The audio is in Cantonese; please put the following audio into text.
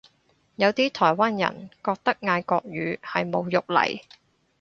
有啲台灣人覺得嗌國語係侮辱嚟